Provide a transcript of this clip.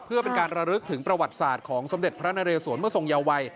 เพื่อเป็นการระลึกถึงประวัติศาสตร์ของสมเด็จพระนเรศวรเมื่อทรงเยาวัย